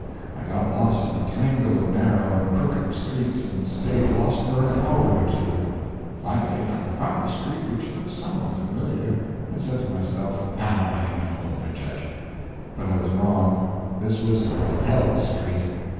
I got lost in a tangle of narrow and crooked streets, and stayed lost for an hour or two. Finally I found a street which looked somewhat familiar, and said to myself, "Now I am at home, I judge." But I was wrong; this was "HELL street."